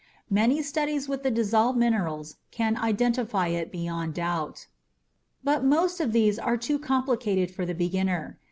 Many studies with the dissolved mineral can identify it beyond doubt. But most of these are too complicated for the beginner.